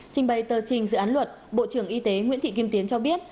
trình bày tờ trình dự án luật bộ trưởng y tế nguyễn thị kim tiến cho biết